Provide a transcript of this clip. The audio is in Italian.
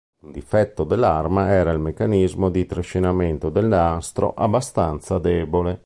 Un difetto dell'arma era il meccanismo di trascinamento del nastro abbastanza debole.